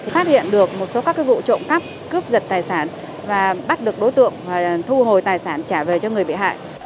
phát hiện được một số các vụ trộm cắp cướp giật tài sản và bắt được đối tượng thu hồi tài sản trả về cho người bị hại